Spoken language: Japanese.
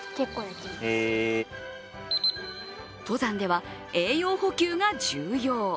登山では栄養補給が重要。